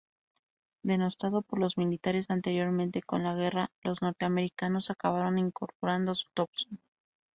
Denostado por los militares anteriormente con la guerra los norteamericanos acabaron incorporando su Thompson.